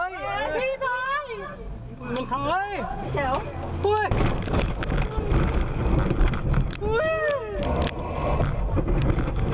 มองเธอย